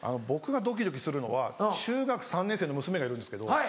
僕がドキドキするのは中学３年生の娘がいるんですけど。